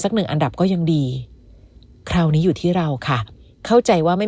หนึ่งอันดับก็ยังดีคราวนี้อยู่ที่เราค่ะเข้าใจว่าไม่